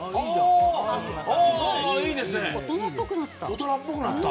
大人っぽくなった。